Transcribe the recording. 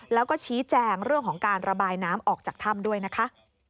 แล้วก็ชี้แจงเรื่องของการระบายน้ำออกจากถ้ำด้วยนะคะ